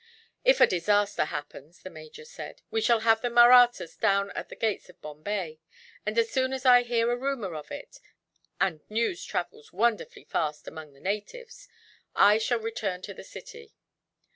"If a disaster happen," the major said, "we shall have the Mahrattas down at the gates of Bombay; and as soon as I hear a rumour of it and news travels wonderfully fast among the natives I shall return to the city."